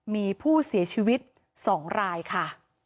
มีผู้เสียชีวิต๒รายค่ะ